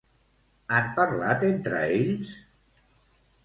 Han parlat entre ells?